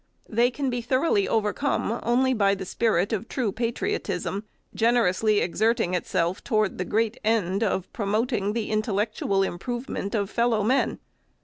They can be thoroughly overcome only by the spirit of true patriotism, generously exerting itself to ward the great end of promoting the intellectual improve ment of fellow men.